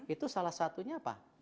itu salah satunya apa